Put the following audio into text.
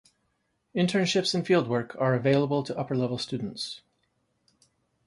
Internships and field work are available to upper-level students.